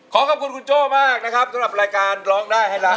ขอขอบคุณคุณโจ้มากนะครับสำหรับรายการร้องได้ให้ล้าน